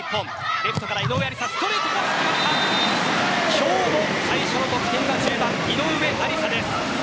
今日も最初の得点は１０番、井上愛里沙です。